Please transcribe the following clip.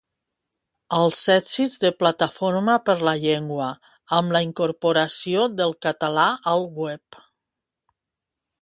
Els èxits de Plataforma per la Llengua amb la incorporació del català al web